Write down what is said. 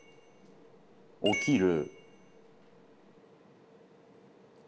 起きる。